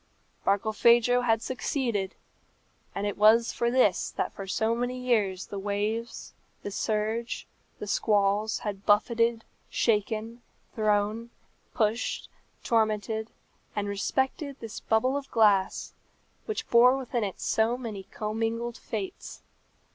Barkilphedro had succeeded, and it was for this that for so many years the waves, the surge, the squalls had buffeted, shaken, thrown, pushed, tormented, and respected this bubble of glass, which bore within it so many commingled fates.